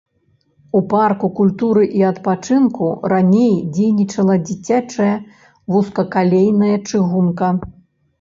У парку культуры і адпачынку раней дзейнічала дзіцячая вузкакалейная чыгунка.